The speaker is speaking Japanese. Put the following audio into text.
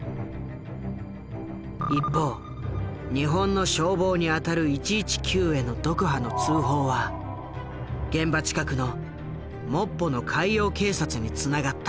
一方日本の消防にあたる１１９へのドクハの通報は現場近くのモッポの海洋警察につながった。